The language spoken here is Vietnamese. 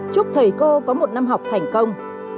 chúc thầy cô có một năm học thành công